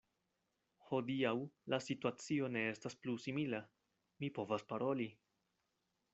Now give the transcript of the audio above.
Hodiaŭ la situacio ne estas plu simila: mi povas paroli.